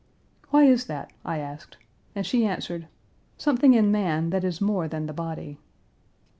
"Why is that?" I asked, and she answered, "Something in man that is more than the body."